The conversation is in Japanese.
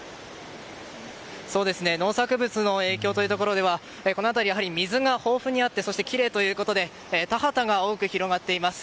農作物への影響ということではこの辺り、水が豊富にあってきれいということで田畑が多く広がっています。